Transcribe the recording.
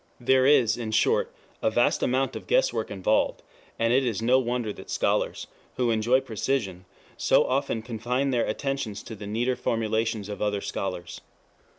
There is, in short, a vast amount of guess work involved, and it is no wonder that scholars, who enjoy precision, so often confine their attentions to the neater formulations of other scholars.